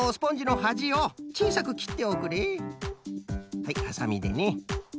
はいはさみでね。